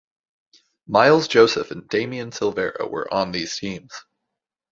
Miles Joseph and Damian Silvera were on these teams.